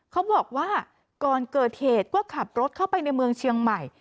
เขาบอกว่าก่อนเกิดเหตุก็ขับรถเข้าไปในเมืองเชียงใหม่